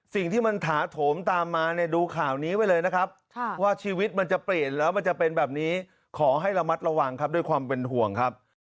สิ่งที่มันถาโถมตามมาเนี่ยดูข่าวนี้ไว้เลยนะครับว่าชีวิตมันจะเปลี่ยนแล้วมันจะเป็นแบบนี้ขอให้ระมัดระวังครับด้วยความเป็นห่วงครับ